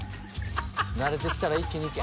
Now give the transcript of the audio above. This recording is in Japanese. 慣れて来たら一気に行け！